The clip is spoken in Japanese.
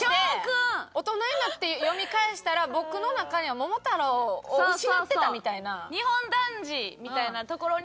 大人になって読み返したら僕の中には桃太郎を失ってたみたいな。